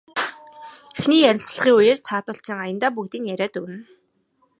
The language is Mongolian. Эхний ярилцлагын үеэр цаадуул чинь аяндаа бүгдийг яриад өгнө.